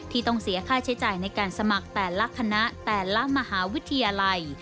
ต้องเสียค่าใช้จ่ายในการสมัครแต่ละคณะแต่ละมหาวิทยาลัย